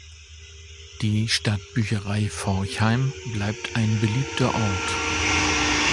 Die Stadtbücherei Forchheim bleibt ein beliebter Ort.